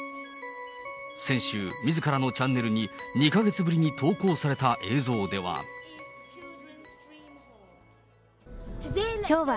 先週、みずからのチャンネルに２か月ぶりに投稿された映像では。